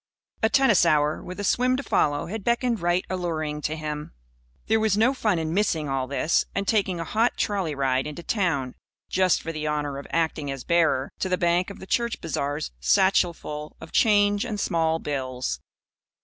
A tennis hour, with a swim to follow, had beckoned right alluringly to him. There was no fun in missing all this and taking a hot trolley ride into town just for the honour of acting as bearer, to the bank, of the church bazaar's satchelful of change and small bills.